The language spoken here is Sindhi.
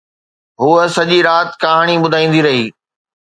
هوءَ سڄي رات ڪهاڻي ٻڌائيندي رهي